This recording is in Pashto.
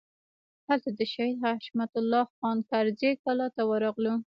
هلته د شهید حشمت الله خان کرزي کلا ته ورغلو.